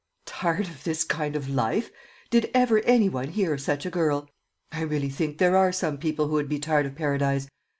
"Tired of this kind of life! Did ever any one hear of such a girl! I really think there are some people who would be tired of Paradise.